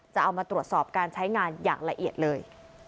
จะเอามาตรวจสอบการใช้งานอย่างละเอียดเลย